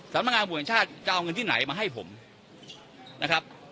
สรรพงาของภวรินชาติจะเอาเงินที่ไหนมาให้ผมนะครับ